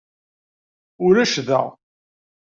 Ulac da.